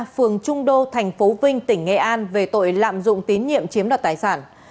phường trung đô tp vinh tỉnh nghệ an về tội lạm dụng tín nhiệm chiếm đoạt tài sản